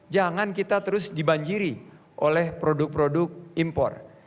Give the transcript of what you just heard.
jangan kita terus dibanjiri oleh produk produk impor